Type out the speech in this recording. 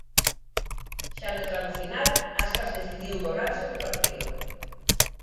Xa no tramo final, Aspas decidiu borrarse do partido.